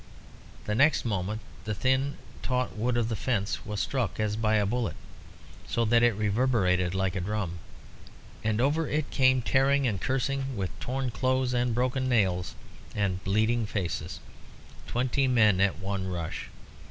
The next moment the thin, taut wood of the fence was struck as by a bullet, so that it reverberated like a drum, and over it came tearing and cursing, with torn clothes and broken nails and bleeding faces, twenty men at one rush.